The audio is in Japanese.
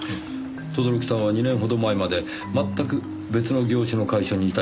轟さんは２年ほど前まで全く別の業種の会社にいたようですねぇ。